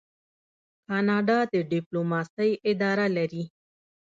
کاناډا د ډیپلوماسۍ اداره لري.